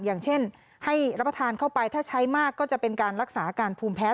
อย่างเช่นให้รับประทานเข้าไปถ้าใช้มากก็จะเป็นการรักษาอาการภูมิแพ้